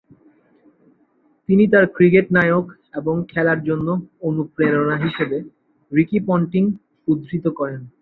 তিনি তার ক্রিকেট নায়ক এবং খেলার জন্য অনুপ্রেরণা হিসেবে রিকি পন্টিং উদ্ধৃত করেন।